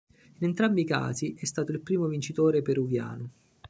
In entrambi i casi, è stato il primo vincitore peruviano.